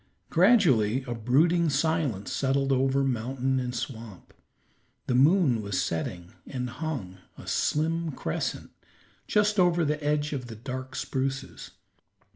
Gradually a brooding silence settled over mountain and swamp. The moon was setting and hung, a slim crescent, just over the edge of the dark spruces.